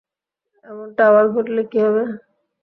এমনটা আবার ঘটলে কী হবে?